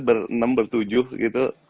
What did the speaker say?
bernam bertujuh gitu